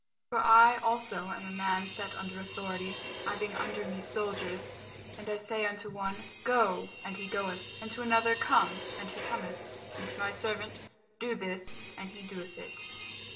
For I also am a man set under authority, having under me soldiers, and I say unto one, Go, and he goeth; and to another, Come, and he cometh; and to my servant, Do this, and he doeth it.